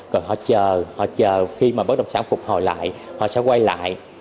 còn họ chờ họ chờ khi mà bất động sản phục hồi lại họ sẽ quay lại